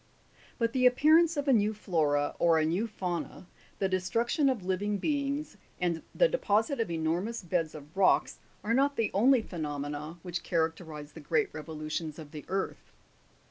But the appearance of a new flora, or a new fauna, the destruction of living beings, and the deposit of enormous beds of rocks, are not the only phenomena which characterifb the great revolutions of the earth.